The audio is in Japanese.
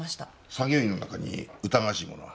作業員の中に疑わしい者は？